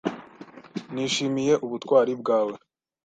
Nishimiye ubutwari bwawe